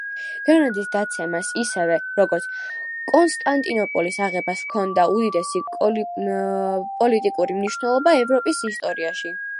გრანადის დაცემას ისევე, როგორც კონსტანტინოპოლის აღებას ჰქონდა უდიდესი პოლიტიკური მნიშვნელობა ევროპის ისტორიაში.